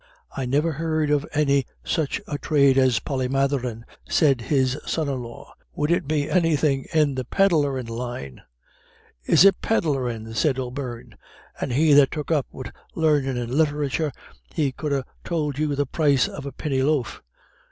"I niver heard of any such a thrade as polymatherin'," said his son in law; "would it be anythin' in the pedlarin' line?" "Is it pedlarin'?" said old O'Beirne, "and he that took up wid larnin' and litherature he couldn't ha' tould you the price of a pinny loaf.